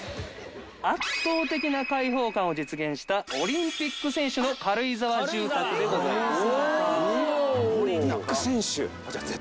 圧倒的な開放感を実現した、オリンピック選手の軽井沢住宅でございます。